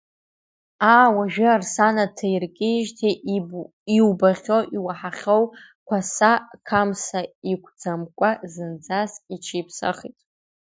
Аа, уажәы Арсана дҭаркиижьҭеи иубахьоу-иуаҳахьоу Қәаса қамса иакәӡамкәа зынӡак иҽиԥсахит.